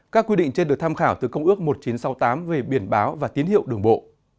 các quy định trên được tham khảo từ công ước một nghìn chín trăm sáu mươi tám về biển báo và tín hiệu đường bộ